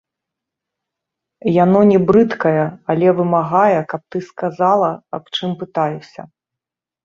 Яно не брыдкае, але вымагае, каб ты сказала, аб чым пытаюся.